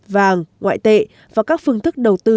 vàng ngoại tệ và các phương thức đầu tư